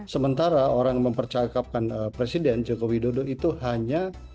sementara orang mempercakapkan presiden joko widodo itu hanya